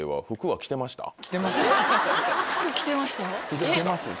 えっ⁉着てますよ